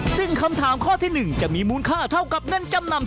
ซึ่งคำถามข้อที่๑จะมีมูลค่าเท่ากับเงินจำนำ